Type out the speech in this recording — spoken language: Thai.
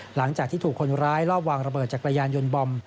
หลังจากที่ถูกคนร้ายรอบวางระเบิดจักรยานยนต์บอม